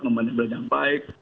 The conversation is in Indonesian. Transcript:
memilih yang baik